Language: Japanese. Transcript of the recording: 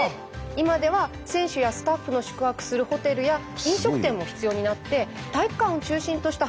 今では選手やスタッフの宿泊するホテルや飲食店も必要になって体育館を中心とした複合施設ができるまでになったんです。